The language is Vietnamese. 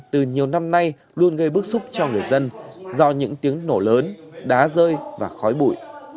từ nhiều năm nay luôn gây bức xúc cho người dân do những tiếng nổ lớn đá rơi và khói bụi